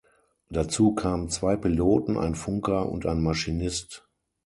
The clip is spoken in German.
Dazu kamen zwei Piloten, ein Funker und ein Maschinist.